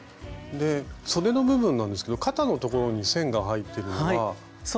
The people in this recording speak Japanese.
でそでの部分なんですけど肩のところに線が入っているのは。